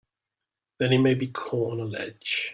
Then he may be caught on a ledge!